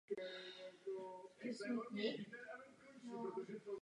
Ze strany Unie si to ovšem vyžádá nemalé úsilí.